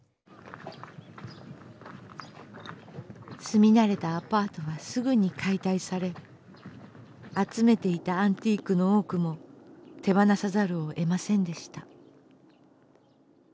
住み慣れたアパートはすぐに解体され集めていたアンティークの多くも手放さざるをえませんでした。